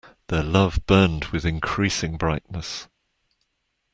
Their love burned with increasing brightness.